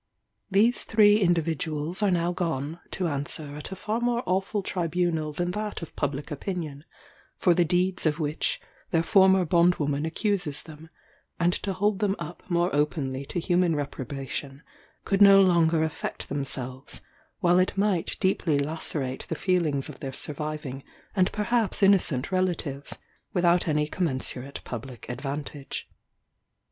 These three individuals are now gone to answer at a far more awful tribunal than that of public opinion, for the deeds of which their former bondwoman accuses them; and to hold them up more openly to human reprobation could no longer affect themselves, while it might deeply lacerate the feelings of their surviving and perhaps innocent relatives, without any commensurate public advantage.